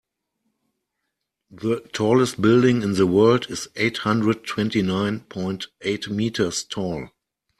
The tallest building in the world is eight hundred twenty nine point eight meters tall.